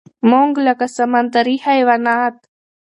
مونږ لکه سمندري حيوانات